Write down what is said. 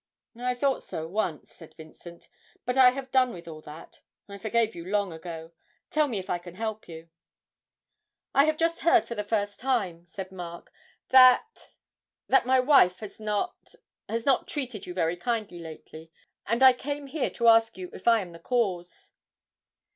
'I thought so once,' said Vincent, 'but I have done with all that. I forgave you long ago. Tell me if I can help you?' 'I have just heard for the first time,' said Mark, 'that that my wife has not has not treated you very kindly lately. And I came here to ask you if I am the cause.'